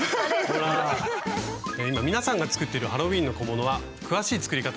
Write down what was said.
今皆さんが作っているハロウィーンの小物は詳しい作り方